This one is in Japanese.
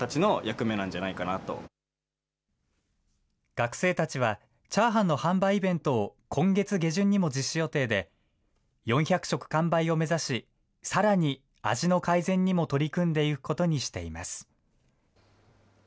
学生たちは、チャーハンの販売イベントを今月下旬にも実施予定で、４００食完売を目指し、さらに味の改善にも取り組んでいくことにしています。